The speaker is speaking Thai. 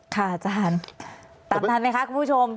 อาจารย์ตามทันไหมคะคุณผู้ชม